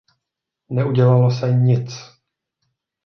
Neudělalo se nic.